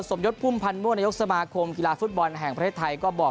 ยศพุ่มพันธ์มั่วนายกสมาคมกีฬาฟุตบอลแห่งประเทศไทยก็บอก